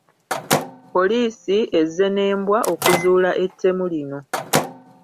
Poliisi ezze n’embwa okuzuula ettemu lino.